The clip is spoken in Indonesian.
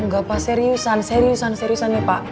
gak pak seriusan seriusan seriusan nih pak